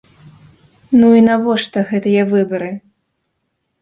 Ну і навошта гэтыя выбары?